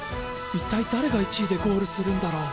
一体だれが１位でゴールするんだろう。